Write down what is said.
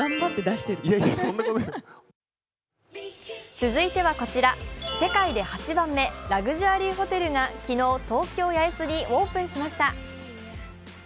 続いてはこちら、世界で８番目、ラグジュアリーホテルが昨日東京、八重洲にオープンしました。